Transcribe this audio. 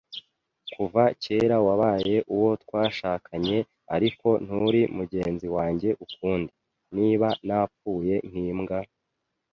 kuva kera wabaye uwo twashakanye, ariko nturi mugenzi wanjye ukundi. Niba napfuye nk'imbwa,